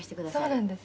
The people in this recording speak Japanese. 「そうなんです」